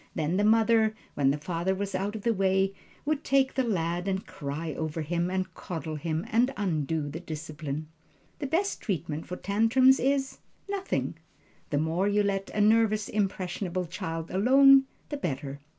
Then the mother, when the father was out of the way, would take the lad and cry over him, and coddle him, and undo the discipline. The best treatment for tantrums is nothing. The more you let a nervous, impressionable child alone, the better.